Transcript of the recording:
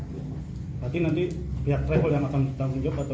berarti nanti pihak travel yang akan bertanggung jawab atau